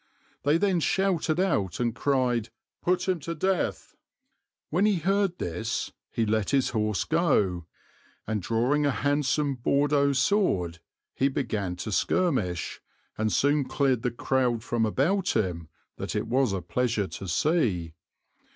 They then shouted out and cried, 'Put him to death.' When he heard this he let his horse go, and drawing a handsome Bordeaux sword, he began to skirmish, and soon cleared the crowd from about him, that it was a pleasure to see.